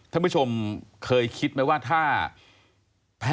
ท่านผู้ชมเคยคิดไหมว่าถ้าแพ้